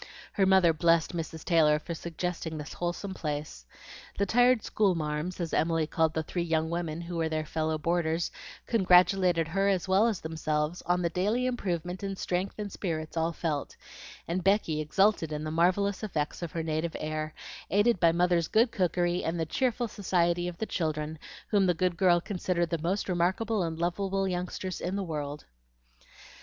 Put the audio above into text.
Her mother blessed Mrs. Taylor for suggesting this wholesome place. The tired "school marms," as Emily called the three young women who were their fellow boarders, congratulated her as well as themselves on the daily improvement in strength and spirits all felt; and Becky exulted in the marvellous effects of her native air, aided by mother's good cookery and the cheerful society of the children, whom the good girl considered the most remarkable and lovable youngsters in the world.